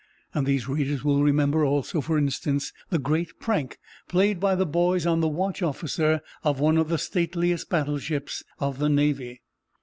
These readers will remember, also, for instance, the great prank played by the boys on the watch officer of one of the stateliest battleships of the Navy.